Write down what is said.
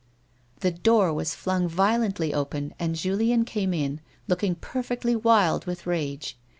The door was flung violently open and Julien came in, looking perfectly wild with rage.